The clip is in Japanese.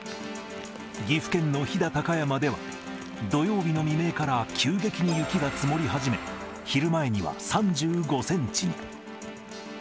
岐阜県の飛騨高山では、土曜日の未明から急激に雪が積もり始め、昼前には３５センチに。